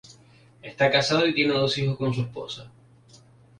Está casado y tiene dos hijos con su esposa.